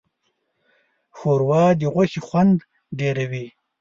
ښوروا د غوښې خوند ډېروي.